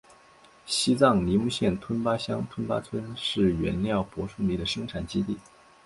西藏尼木县吞巴乡吞巴村是原料柏树泥的生产基地。